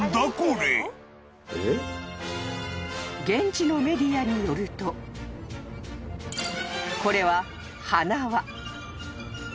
［現地のメディアによるとこれは花輪］